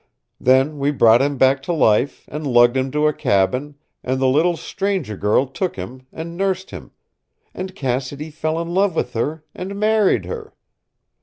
Then we brought him back to life and lugged him to a cabin, and the little stranger girl took him, and nursed him, and Cassidy fell in love with her and married her.